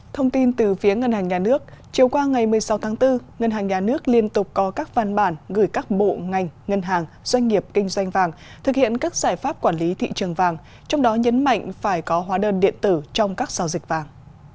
thông tin từ phía ngân hàng nhà nước chiều qua ngày một mươi sáu tháng bốn ngân hàng nhà nước liên tục có các văn bản gửi các bộ ngành ngân hàng doanh nghiệp kinh doanh vàng thực hiện các giải pháp quản lý thị trường vàng trong đó nhấn mạnh phải có hóa đơn điện tử trong các giao dịch vàng